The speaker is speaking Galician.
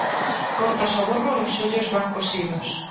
Cortas o gorro e os ollos van cosidos.